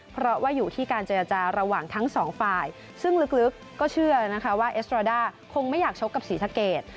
เพราะว่าอยู่ที่การเจรจาระหว่างทั้งสองฝ่ายซึ่งลึกก็เชื่อนะคะว่าเอสตราด้าคงไม่อยากชกกับศรีสะเกด